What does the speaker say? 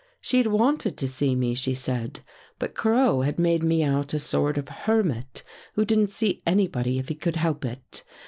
She'd wanted to see me, she said, but Crow had made me out a sort of hermit who didn't see anybody if he could help it.